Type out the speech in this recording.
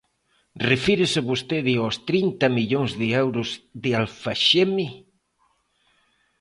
¿Refírese vostede aos trinta millóns de euros de Alfageme?